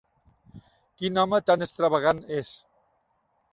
Quin home tan extravagant és.